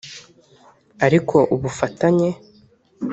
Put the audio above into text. Ariko ubufatanye